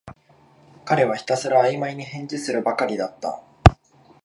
彼はひたすらあいまいに返事するばかりだった